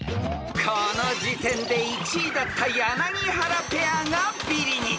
［この時点で１位だった柳原ペアがビリに］